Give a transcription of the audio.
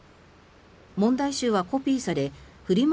問題集はコピーされフリマ